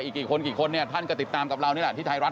กี่คนกี่คนเนี่ยท่านก็ติดตามกับเรานี่แหละที่ไทยรัฐ